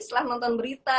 setelah nonton berita